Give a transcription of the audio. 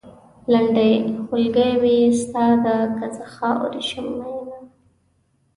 لنډۍ؛ خولګۍ مې ستا ده؛ که زه خاورې شم مينه